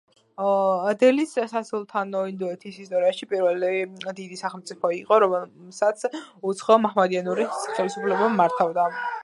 დელის სასულთნო ინდოეთის ისტორიაში პირველი დიდი სახელმწიფო იყო, რომელსაც უცხო, მაჰმადიანური ხელისუფლება მართავდა.